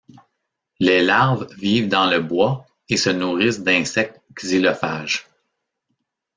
Les larves vivent dans le bois et se nourrissent d'insectes xylophages.